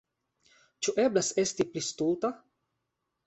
Ĉu eblas esti pli stulta?